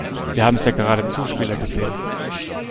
Wir haben es ja gerade im Zuspieler gesehen.